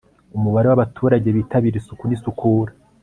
umubare w' abaturage bitabira isuku n'isukura